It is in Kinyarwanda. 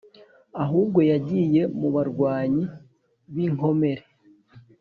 ahubwo yagiye mubarwanyi binkomere